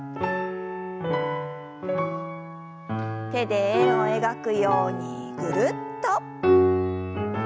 手で円を描くようにぐるっと。